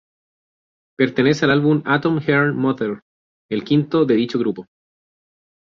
Pertenece al álbum Atom Heart Mother, el quinto de dicho grupo.